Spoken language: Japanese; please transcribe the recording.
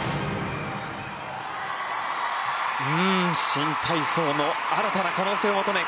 新体操の新たな可能性を求め